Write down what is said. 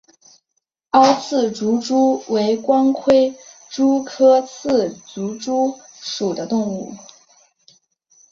凹刺足蛛为光盔蛛科刺足蛛属的动物。